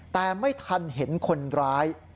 แต่ไม่ทันเห็นคนร้าย